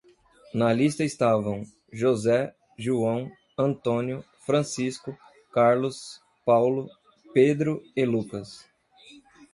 Na lista estavam: José, João, António, Francisco, Carlos, Paulo, Pedro e Lucas.